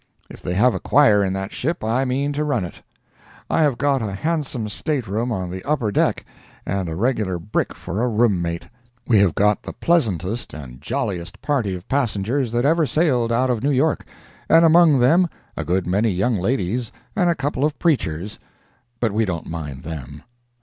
If they have a choir in that ship I mean to run it. I have got a handsome stateroom on the upper deck and a regular brick for a roommate. We have got the pleasantest and jolliest party of passengers that ever sailed out of New York, and among them a good many young ladies and a couple of preachers, but we don't mind them.